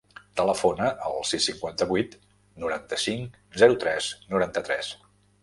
Telefona al sis, cinquanta-vuit, noranta-cinc, zero, tres, noranta-tres.